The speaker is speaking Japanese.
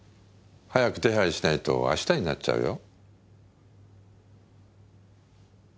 早く手配しないと明日になっちゃうよ。